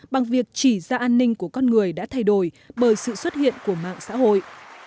bằng việc chỉ ra an ninh của con người đã thay đổi bởi sự xuất hiện của mạng xã hội